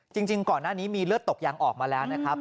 จริงก่อนหน้านี้มีเลือดตกยังออกมาแล้วนะครับ